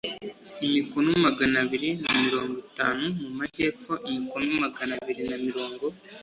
imikono magana abiri na mirongo itanu mu majyepfo imikono magana abiri na mirongo